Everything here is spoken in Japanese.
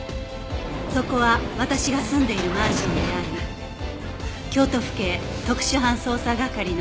そこは私が住んでいるマンションであり京都府警特殊犯捜査係の玉城詩津